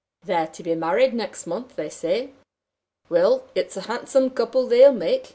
"They're to be married next month, they say. Well, it's a handsome couple they'll make!